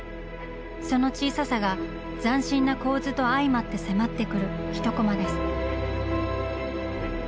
その小ささが斬新な構図と相まって迫ってくる１コマです。